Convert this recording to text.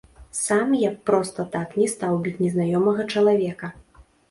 Сам я б проста так не стаў біць незнаёмага чалавека.